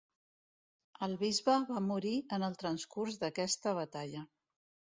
El bisbe va morir en el transcurs d'aquesta batalla.